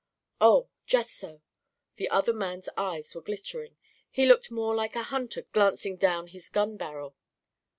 "Oh! Just so!" The other man's eyes were glittering. He looked like a hunter glancing down his gun barrel.